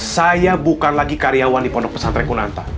saya bukan lagi karyawan di pondok pesantren kunanta